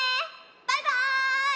バイバーイ！